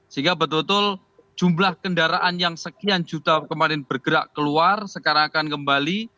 sehingga betul betul jumlah kendaraan yang sekian juta kemarin bergerak keluar sekarang akan kembali